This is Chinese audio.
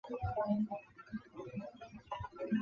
北接番禺区。